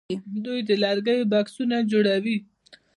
دوی د لرګیو بکسونه جوړوي.